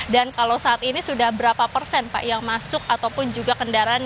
dan kalau saat ini sudah berapa persen pak yang masuk ataupun juga kendaraan